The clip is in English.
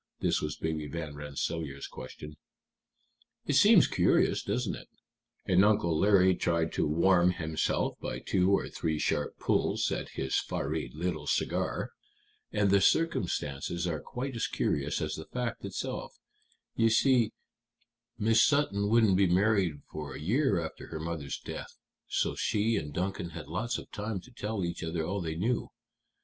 This was Baby Van Rensselaer's question. "It seems curious, doesn't it?" and Uncle Larry tried to warm himself by two or three sharp pulls at his fiery little cigar. "And the circumstances are quite as curious as the fact itself. You see, Miss Sutton wouldn't be married for a year after her mother's death, so she and Duncan had lots of time to tell each other all they knew.